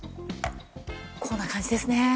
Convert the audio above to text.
こんな感じですね。